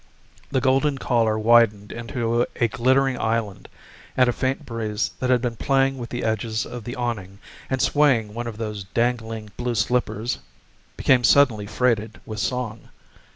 The golden collar widened into a glittering island; and a faint breeze that had been playing with the edges of the awning and swaying one of the dangling blue slippers became suddenly freighted with song.